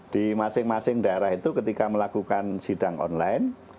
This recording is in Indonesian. di masing masing daerah itu ketika melakukan sidang online